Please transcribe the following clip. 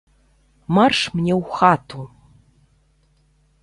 Марш мне ў хату.